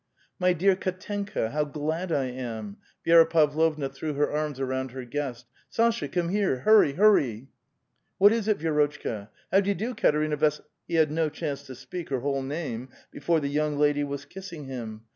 " My dear Kdtenkn, how glad I am !" Vi6ra Pavlovna threw her arms around her guest. —" Sasha, come here! hurry, hurry !"" What is it, Vi6rotchka? How d'ye do, Katerina Vas —" He had no chance to speak her whole name before the 3'oung lady was kissing him.